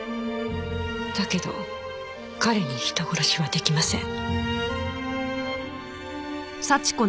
だけど彼に人殺しは出来ません。